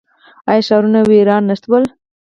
آیا ښارونه ویران نه شول؟